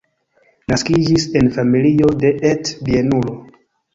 Naskiĝis en familio de et-bienulo.